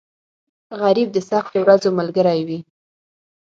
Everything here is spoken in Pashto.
غریب د سختو ورځو ملګری وي